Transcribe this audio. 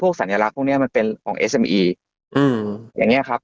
สัญลักษณ์พวกเนี้ยมันเป็นของเอสมีอีอืมอย่างเงี้ครับ